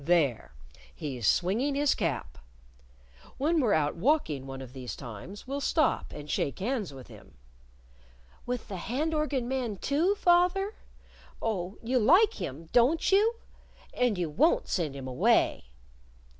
"There! He's swinging his cap! When we're out walking one of these times we'll stop and shake hands with him!" "With the hand organ man, too, fath er? Oh, you like him, don't you? And you won't send him away!"